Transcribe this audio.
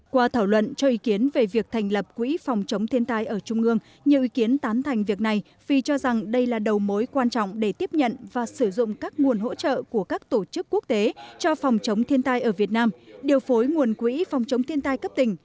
qua thảo luận cho ý kiến về việc thành lập quỹ phòng chống thiên tai ở trung ương nhiều ý kiến tán thành việc này vì cho rằng đây là đầu mối quan trọng để tiếp nhận và sử dụng các nguồn hỗ trợ của các tổ chức quốc tế cho phòng chống thiên tai ở việt nam điều phối nguồn quỹ phòng chống thiên tai cấp tỉnh